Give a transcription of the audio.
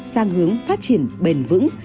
sang hướng phát triển bền vững